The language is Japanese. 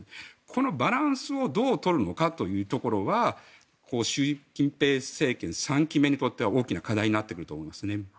このバランスをどう取るのかというところは習近平政権３期目にとっては大きな課題になってくると思います。